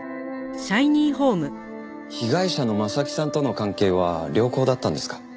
被害者の征木さんとの関係は良好だったんですか？